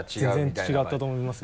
全然違ったと思います。